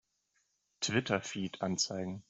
Twitter-Feed anzeigen!